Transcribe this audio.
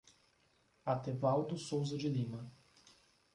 Atevaldo Souza de Lima